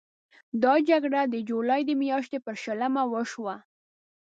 دا جګړه د جولای د میاشتې پر شلمه وشوه.